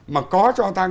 mà có cho tăng